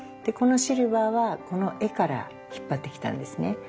でこのシルバーはこの絵から引っ張ってきたんですね。